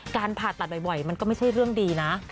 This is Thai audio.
ผ่าตัดบ่อยมันก็ไม่ใช่เรื่องดีนะ